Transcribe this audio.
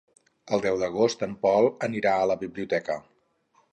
El deu d'agost en Pol anirà a la biblioteca.